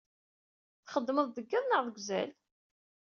Txeddmem deg iḍ neɣ deg uzal?